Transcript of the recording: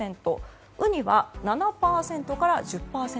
ウニは７％から１０％。